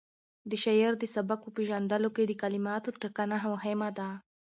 د شاعر د سبک په پېژندلو کې د کلماتو ټاکنه مهمه ده.